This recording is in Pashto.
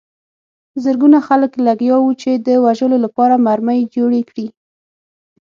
زرګونه خلک لګیا وو چې د وژلو لپاره مرمۍ جوړې کړي